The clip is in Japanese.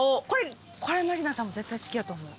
これ満里奈さんも絶対好きやと思う。